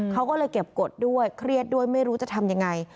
เขาก็เลยเก็บกฎด้วยเครียดด้วยไม่รู้จะทำยังไง